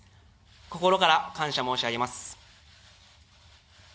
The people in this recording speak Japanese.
心から感謝申し上げます。